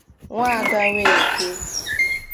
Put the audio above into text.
Nwaada Nweke